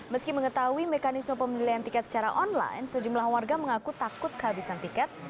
meski mengetahui mekanisme pembelian tiket secara online sejumlah warga mengaku takut kehabisan tiket